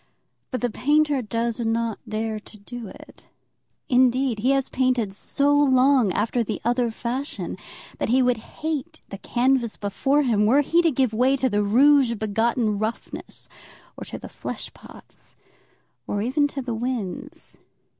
But the painter does not dare to do it. Indeed, he has painted so long after the other fashion that he would hate the canvas before him, were he to give way to the rouge begotten roughness or to the flesh pots, or even to the winds.